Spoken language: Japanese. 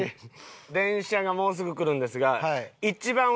電車がもうすぐ来るんですが。